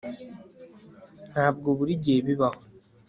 Ntabwo buri gihe bibaho